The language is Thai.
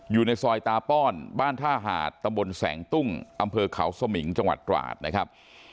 อยู่ในซอยตาป้อนบ้านท่าหาดตะบนแสงตุ้งอำเภอเขาสมิงจังหวัดตราดนะครับ